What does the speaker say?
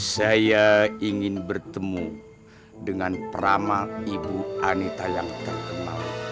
saya ingin bertemu dengan prama ibu anita yang terkenal